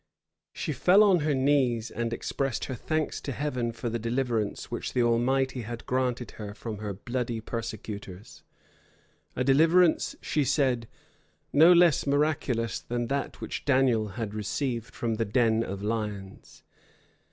She fell on her knees, and expressed her thanks to Heaven for the deliverance which the Almighty had granted her from her bloody persecutors; a deliverance, she said, no less miraculous than that which Daniel had received from the den of lions.